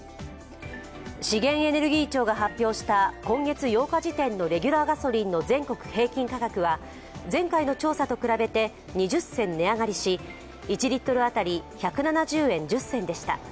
資源エネルギー庁が発表した今月８日時点のレギュラーガソリンの全国平均価格は、前回の調査と比べて２０銭値上がりし、１リットル当たり１７０円１０銭でした。